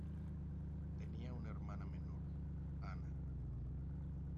Tenía una hermana menor, Anna.